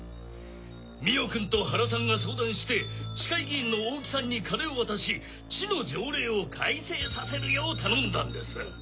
美緒君と原さんが相談して市会議員の大木さんに金を渡し市の条例を改正させるよう頼んだんです。